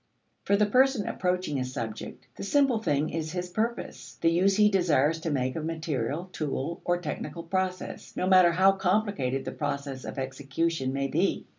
For the person approaching a subject, the simple thing is his purpose the use he desires to make of material, tool, or technical process, no matter how complicated the process of execution may be.